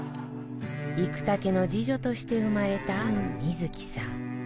生田家の次女として生まれた瑞季さん